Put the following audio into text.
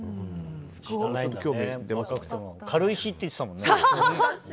さっき軽石って言ってたもんね。